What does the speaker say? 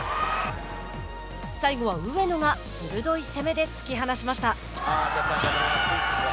最後は上野が鋭い攻めで突き放しました。